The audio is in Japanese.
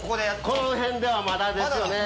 このへんではまだですよね。